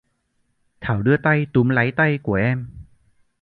thảo đưa tay túm láy tay của em